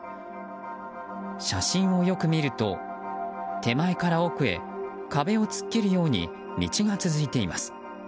写真をよく見ると手前から奥へ壁を突っ切るように道が続いています。